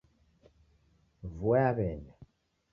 Vua yaw'enya